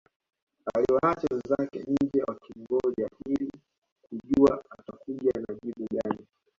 Aliwaacha wenzake nje wakimngoja ili kujua atakuja na jibu gani